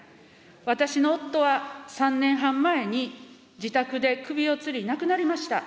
私の夫は３年半前に自宅で首をつり、亡くなりました。